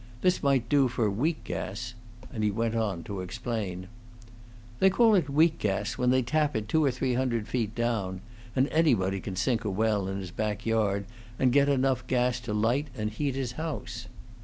This might do for weak gas"; and he went on to explain: "They call it weak gas when they tap it two or three hundred feet down; and anybody can sink a well in his back yard and get enough gas to light and heat his house.